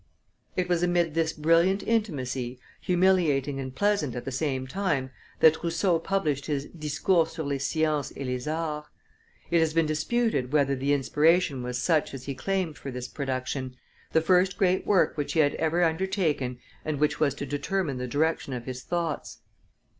It was amid this brilliant intimacy, humiliating and pleasant at the same time, that Rousseau published his Discours sur les Sciences et les Arts. It has been disputed whether the inspiration was such as he claimed for this production, the first great work which he had ever undertaken and which was to determine the direction of his thoughts.